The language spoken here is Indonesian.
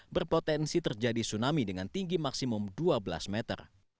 berpotensi terjadi tsunami dengan tinggi maksimum dua belas meter